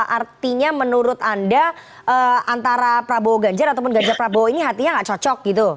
artinya menurut anda antara prabowo ganjar ataupun ganjar prabowo ini hatinya nggak cocok gitu